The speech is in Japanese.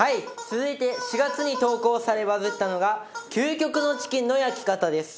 続いて４月に投稿されバズったのが究極のチキンの焼き方です。